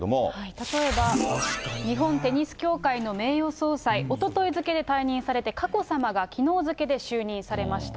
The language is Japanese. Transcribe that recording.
例えば日本テニス協会の名誉総裁、おととい付で退任されて、佳子さまがきのう付けで就任されました。